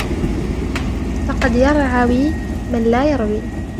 فَقَدْ يَرْعَوِي مَنْ لَا يَرْوِي